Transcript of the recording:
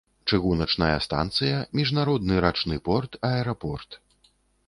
Чыгуначная станцыя, міжнародны рачны порт, аэрапорт.